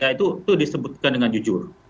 itu disebutkan dengan jujur